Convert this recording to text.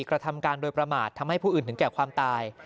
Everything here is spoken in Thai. กระทำการโดยประมาททำให้ผู้อื่นถึงแก่ความตาย